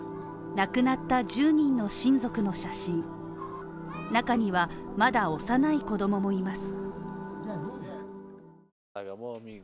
亡くなった１０人の親族の写真中にはまだ幼い子供もいます。